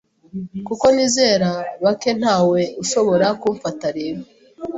kuko nizera bake Nta we ushobora kumfata rero